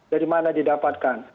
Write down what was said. dari mana didapatkan